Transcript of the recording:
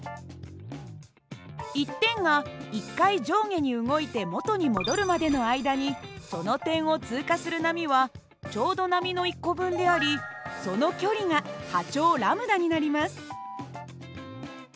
１点が１回上下に動いて元に戻るまでの間にその点を通過する波はちょうど波の１個分でありその距離が波長λになります。